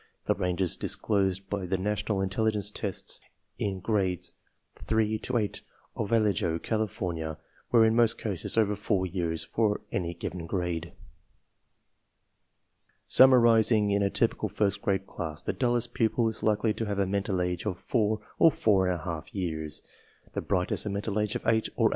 The ranges disclosed by the National Intelligence Tests in Grades 3 to 8 of Vallejo, California, were in most cases over 4 years for any given grade. Summarizing, in a typical first grade class the dullest pupil is likely to have a mental age of 4 or 43^ years, the brightest a mental age of 8 or 8j^.